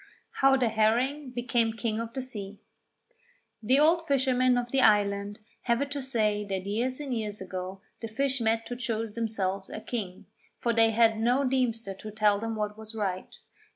HOW THE HERRING BECAME KING OF THE SEA The old fishermen of the island have it to say that years and years ago the fish met to choose themselves a king, for they had no deemster to tell them what was right.